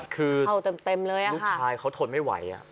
คือลูกชายเขาทนไม่ไหว